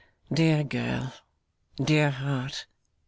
'Dear girl. Dear heart.